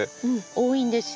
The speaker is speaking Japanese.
多いんですよ。